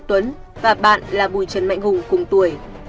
tuấn và bạn là bùi trần mạnh hùng cùng tuổi